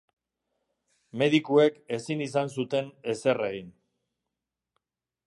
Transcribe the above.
Medikuek ezin izan zuten ezer egin.